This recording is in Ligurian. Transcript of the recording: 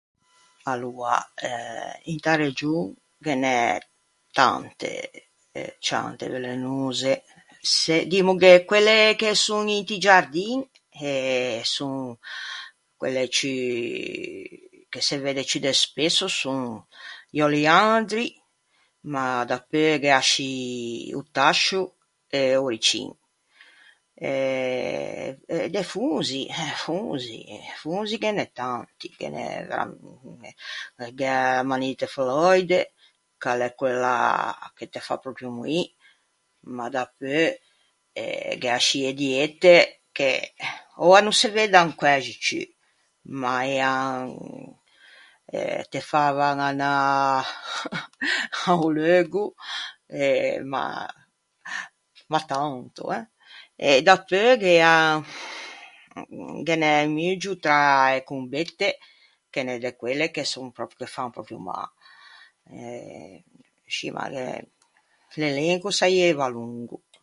Aloa eh inta region ghe n’é tante ciante velenose. Se... dimmoghe quelle che son inti giardin eh son quelle ciù, che se vedde ciù de spesso son i oliandri, ma dapeu gh’é ascì o tascio e o ricin. E de de fonzi... fonzi... fonzi ghe n’é tanti, ghe n’é veram- gh’é l’amanita fallòide, ch’a l’é quella che te fa pròpio moî, ma dapeu eh gh’é ascì e diette, che oua no se veddan quæxi ciù, ma ean eh te favan anâ a-o leugo e... ma, ma tanto eh? E dapeu gh’ean ghe n’é un muggio tra e combette ghe n’é de quelle che son che fan pròpio mâ. E scì ma gh’é... l’elenco o saieiva longo.